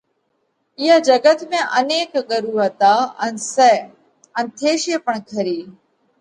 اِيئا جڳت ۾ انيڪ ڳرُو ھتا ان سئہ ان ٿيشي پڻ کري۔